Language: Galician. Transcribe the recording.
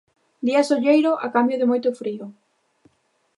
Día solleiro a cambio de moito frío.